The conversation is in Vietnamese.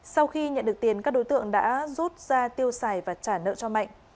sau khi nhận được tiền các đối tượng đã rút ra tiêu xài và trả nợ cho mạnh